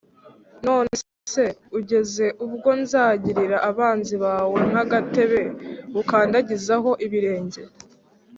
None se ugeze ubwo nzagirira abanzi bawe nk’agatebe ukandagizaho ibirenge